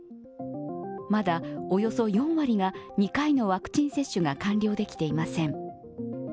まだ、およそ４割が２回のワクチン接種が完了できていません。